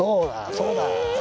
そうだ！ん！